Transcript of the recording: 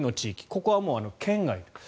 ここはもう圏外。